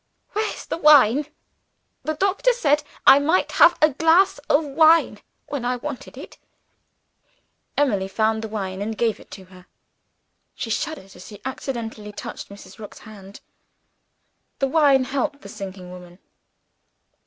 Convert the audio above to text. Where's the wine? The doctor said I might have a glass of wine when I wanted it." Emily found the wine and gave it to her. She shuddered as she accidentally touched Mrs. Rook's hand. The wine helped the sinking woman.